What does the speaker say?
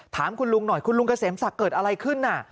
ถามคุณลุงหน่อยคุณลุงเกษมศักดิ์เกิดอะไรขึ้นน่ะ